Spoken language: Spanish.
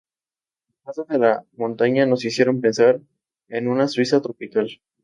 Los pasos de la montaña nos hicieron pensar en una Suiza tropical.